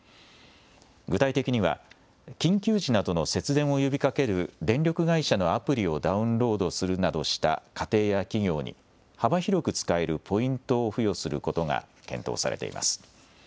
具体的には、緊急時などの節電を呼びかける電力会社のアプリをダウンロードするなどした家庭や企業に、幅広く使えるポイントを付与することが検討されています。